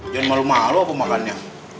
jangan malu malu aku makannya